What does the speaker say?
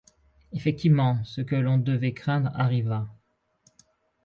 Effectivement, ce que l'on devait craindre arriva.